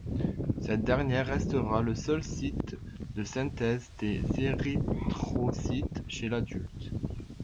Cette dernière restera le seul site de synthèse des érythrocytes chez l'adulte.